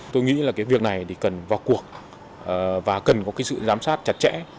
tôi nghĩ là cái việc này thì cần vào cuộc và cần có cái sự giám sát chặt chẽ